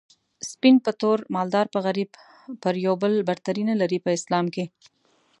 سپين په تور مالدار په غريب پر يو بل برتري نلري په اسلام کي